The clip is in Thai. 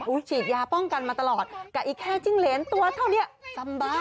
ฉีดยาป้องกันมาตลอดกับอีกแค่จิ้งเหรนตัวเท่านี้สบาย